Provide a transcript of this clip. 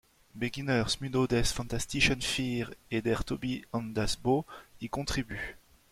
Beginner, Smudo des Fantastischen Vier et Der Tobi & Das Bo y contribuent.